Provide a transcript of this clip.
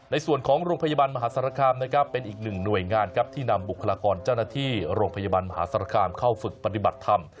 ในส่วนของโรงพยาบันมหาศาลคามเป็นอีกหนึ่งหน่วยงานที่นำบุคลากรเจ้าหน้าที่เข้าฝึกปฏิบัติธรรม